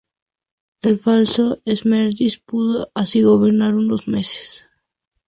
El falso Esmerdis pudo así gobernar unos meses.